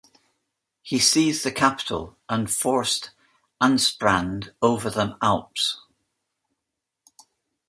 He seized the capital and forced Ansprand over the Alps.